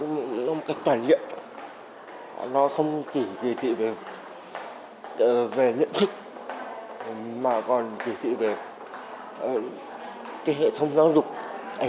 mất đi cơ hội